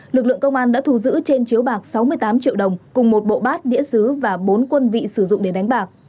lực lượng công an đã thu giữ trên chiếu bạc sáu mươi tám triệu đồng cùng một bộ bát đĩa xứ và bốn quân vị sử dụng để đánh bạc